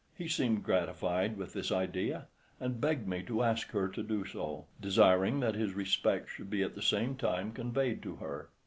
He seemed gratified with this idea, and begged me to ask her to do so, desiring that his respects should be at the same time conveyed to her.